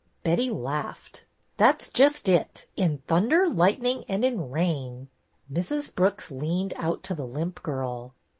Betty laughed. '' That 's just it, in thunder, lightning, and in rain." Mrs. Brooks leaned out to the limp girl.